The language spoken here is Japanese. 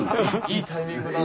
いいタイミングです。